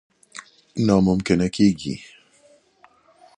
نا ممکنه ممکنه کېږي.